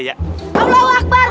allahu akbar umus